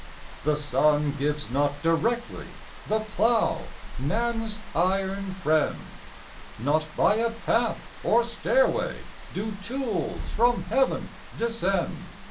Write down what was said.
The sun gives not directly The plough, man's iron friend; Not by a path or stairway Do tools from Heaven descend.